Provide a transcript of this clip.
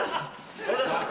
ありがとうございます。